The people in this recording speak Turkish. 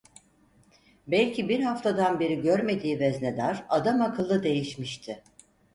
Belki bir haftadan beri görmediği veznedar adamakıllı değişmişti.